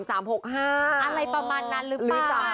อะไรประมาณนั้นหรือเปล่า